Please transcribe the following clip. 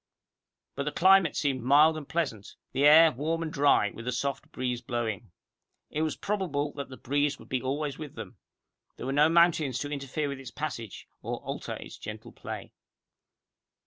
But the climate seemed mild and pleasant, the air warm and dry, with a soft breeze blowing. It was probable that the breeze would be always with them. There were no mountains to interfere with its passage, or alter its gentle play.